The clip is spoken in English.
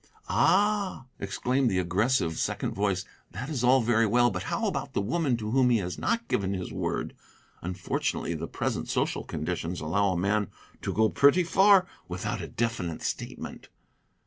"Ah!" exclaimed the aggressive second voice, "that is all very well. But how about the woman to whom he has not given his word? Unfortunately, the present social conditions allow a man to go pretty far without a definite statement."